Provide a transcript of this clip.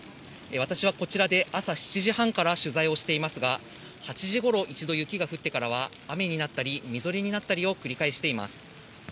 私は、こちらで朝７時半から取材をしていますが、８時ごろ、一度雪が降ってからは、雨になったりみぞれになったりを繰り返しています。